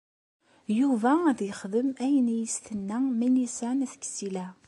Yuba ad yexdem ayen i as-tenna Milisa n At Ksila.